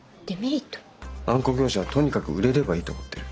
あんこ業者はとにかく売れればいいと思ってる。